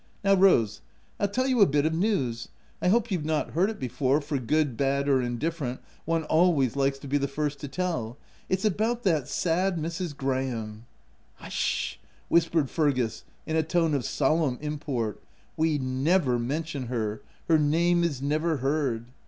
" Now, Rose, I'll tell you a piece of news — I hope you've not heard it before, for good, bad or indifferent, one always likes to be the first to tell — It's about that sad Mrs. Graham " "Hush— sh — sh !" whispered Fergus, in a tone of solemn import. u • We never mention her ; her name is never heard.'